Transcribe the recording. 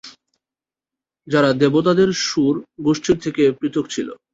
যারা দেবতাদের "সুর" গোষ্ঠীর থেকে পৃথক ছিল।